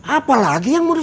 apa lagi yang berwarna